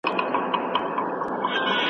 گوندې دا زما نوم هم دا ستا له نوم پيوند واخلي